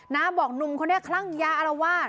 น้าบอกนุมโคนี๊ยะคั่งยาอละว่า